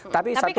tapi satu hal